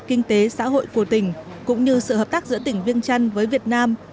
kinh tế xã hội của tỉnh cũng như sự hợp tác giữa tỉnh viêng trăn với việt nam